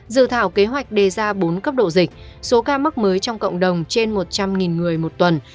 dự thảo kế hoạch đề ra bốn cấp độ dịch số ca mắc mới trong cộng đồng trên một trăm linh người một tuần